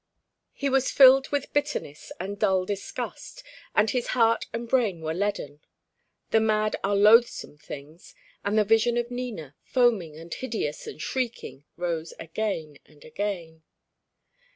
He was filled with bitterness and dull disgust, and his heart and brain were leaden. The mad are loathsome things; and the vision of Nina, foaming and hideous and shrieking, rose again and again.